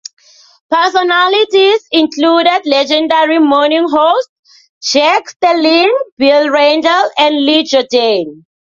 Personalities included legendary morning host Jack Sterling, Bill Randle and Lee Jordan.